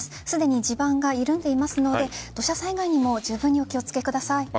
すでに地盤が緩んでいますので土砂災害にもじゅうぶんにお気を付けください。